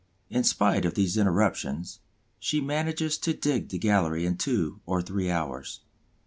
In spite of these interruptions, she manages to dig the gallery in two or three hours.